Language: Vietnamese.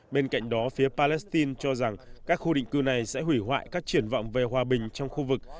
bên cạnh đó phía palestine cho rằng các khu định cư này sẽ hủy hoại các triển vọng về hòa bình trong khu vực